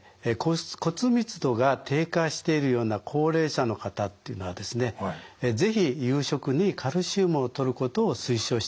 骨密度が低下しているような高齢者の方っていうのはですね是非夕食にカルシウムをとることを推奨したいと思いますね。